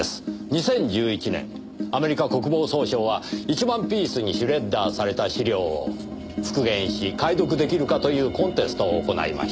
２０１１年アメリカ国防総省は１万ピースにシュレッダーされた資料を復元し解読出来るかというコンテストを行いました。